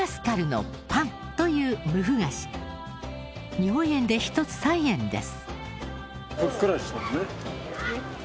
日本円で１つ３円です。